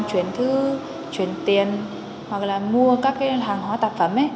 chuyển thư chuyển tiền hoặc là mua các hàng hóa tạp phẩm